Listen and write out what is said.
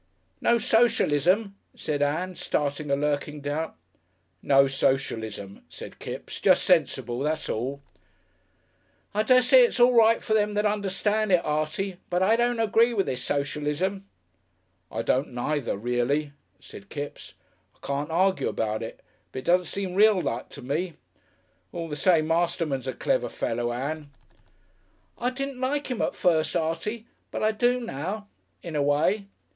"No socialism," said Ann, starting a lurking doubt. "No socialism," said Kipps; "just sensible, that's all." "I dessay it's all right for them that understand it, Artie, but I don't agree with this socialism." "I don't neither, reely," said Kipps. "I can't argue about it, but it don't seem real like to me. All the same Masterman's a clever fellow, Ann." "I didn't like 'im at first, Artie, but I do now in a way.